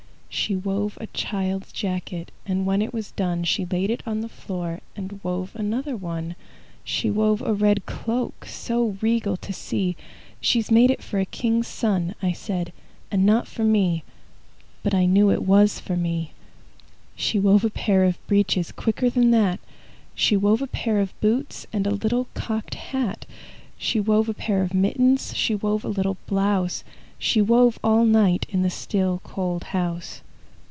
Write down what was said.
She wove a child's jacket, And when it was done She laid it on the floor And wove another one. She wove a red cloak So regal to see, "She's made it for a king's son," I said, "and not for me." But I knew it was for me. She wove a pair of breeches Quicker than that! She wove a pair of boots And a little cocked hat. She wove a pair of mittens, She wove a little blouse, She wove all night In the still, cold house.